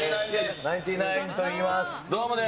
ナインティナインといいます。